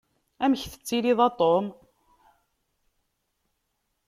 Amek tettiliḍ a Tom?